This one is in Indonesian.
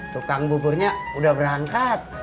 tukang buburnya udah berangkat